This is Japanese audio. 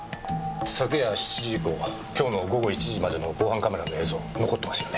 昨夜７時以降今日の午後１時までの防犯カメラの映像残ってますよね？